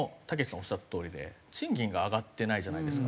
おっしゃったとおりで賃金が上がってないじゃないですか。